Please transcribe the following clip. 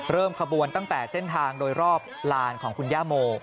ขบวนตั้งแต่เส้นทางโดยรอบลานของคุณย่าโม